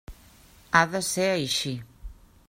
Ha de ser així.